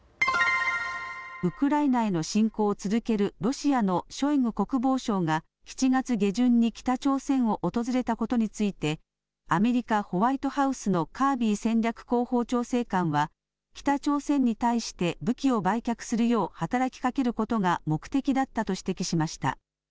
ウクライナへの侵攻を続けるロシアのショイグ国防相が７月下旬に北朝鮮を訪れたことについてアメリカ・ホワイトハウスのカービー戦略広報調整官は北朝鮮に対して武器を売却するよう働きかけることが目的だったと指摘しました。